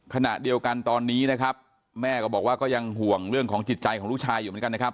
ขณะเดียวกันตอนนี้นะครับแม่ก็บอกว่าก็ยังห่วงเรื่องของจิตใจของลูกชายอยู่เหมือนกันนะครับ